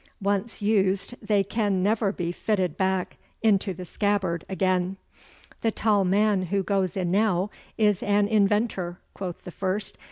Once used they can never be fitted back into the scabbard again.' 'The tall man who goes in now is an inventor,' quoth the first.